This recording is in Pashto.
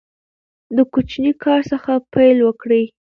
د کوچني کار څخه پیل وکړئ.